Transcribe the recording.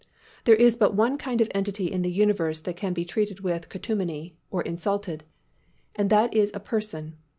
There is but one kind of entity in the universe that can be treated with contumely (or insulted) and that is a person.